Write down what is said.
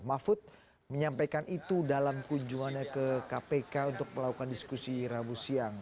mahfud menyampaikan itu dalam kunjungannya ke kpk untuk melakukan diskusi rabu siang